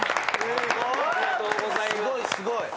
ありがとうございます。